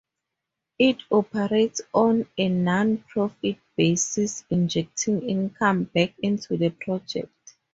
It operates on a non profit basis, injecting income back into the project.